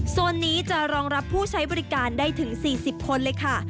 โซนนี้จะรองรับผู้ใช้บริการได้ถึง๔๐คนเลยค่ะ